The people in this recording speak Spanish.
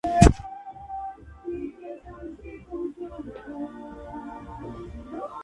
Pese a ello se podía percibir su estructura redonda.